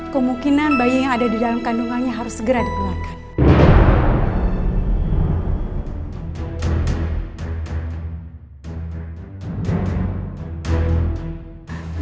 kemungkinan bayi yang ada di dalam kandungannya harus segera dipulangkan